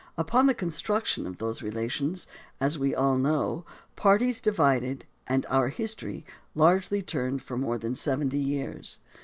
Upon the construction of those relations, as we all know, parties divided and our history largely turned for more than seventy years.